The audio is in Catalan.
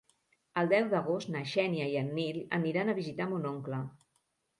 El deu d'agost na Xènia i en Nil aniran a visitar mon oncle.